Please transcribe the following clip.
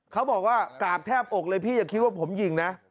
เขาบอกว่ากราบแทบบอกเลยพี่อย่าคิดว่าผมยิงนะ